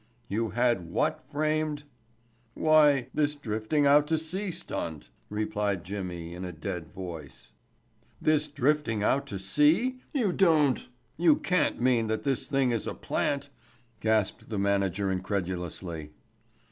"You had what framed?" "Why—this drifting out to sea stunt," replied Jimmy in a dead voice. "This drifting out to sea—you don't—you can't mean that this thing is a plant," gasped the manager incredulously.